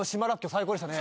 最高でしたね